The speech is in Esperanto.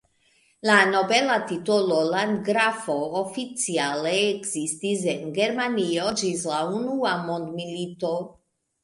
La nobela titolo "landgrafo" oficiale ekzistis en Germanio ĝis la Unua Mondmilito.